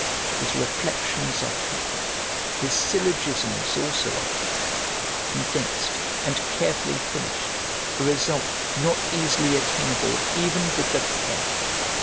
His reflections are frequent, his syllogisms also are frequent, condensed, and carefully finished, a result not easily attainable even with the pen.